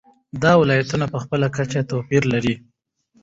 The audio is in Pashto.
دا ولایتونه په خپله کچه توپیرونه لري.